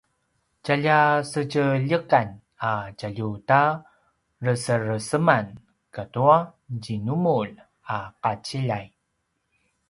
tjalja sedjeljekan a tjalju ta resereseman katu djinumulj a qaciljay